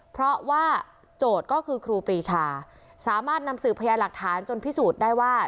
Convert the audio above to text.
เพราะว่าโจทย์ก็คือครูปรีชาสามารถนำสืบพยานหลักฐานจนพิสูจน์ได้ว่า